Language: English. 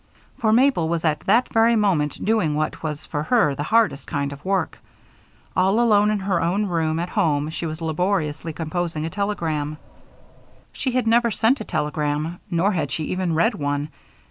For Mabel was at that very moment doing what was for her the hardest kind of work; all alone in her own room at home she was laboriously composing a telegram. She had never sent a telegram, nor had she even read one.